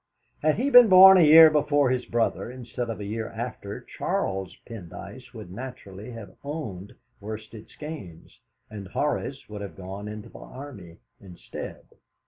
Had he been born a year before his brother, instead of a year after, Charles Pendyce would naturally have owned Worsted Skeynes, and Horace would have gone into the Army instead.